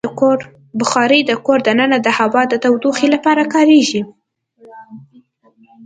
بخاري د کور دننه د هوا د تودوخې لپاره کارېږي.